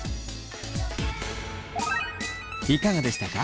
いかがでしたか？